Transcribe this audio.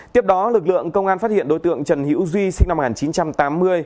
tiếp đó lực lượng công an phát hiện đối tượng trần hữu duy sinh năm một nghìn chín trăm tám mươi